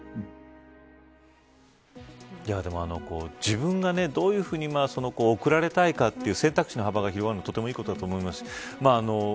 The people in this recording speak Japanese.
自分がどういうふうに送られたいかという選択肢の幅が広がるのはとてもいいことだと思います。